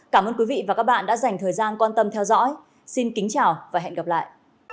cảm ơn quý vị và các bạn đã dành thời gian quan tâm theo dõi xin kính chào và hẹn gặp lại